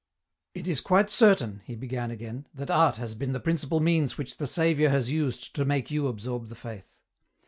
" It is quite certain," he began again, " that art has been the principal means which the Saviour has used to make you absorb the Faith.